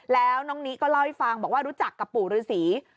แล้วน้องนิก็เล่าให้ฟังบอกว่ารู้จักกับปู่ฤษี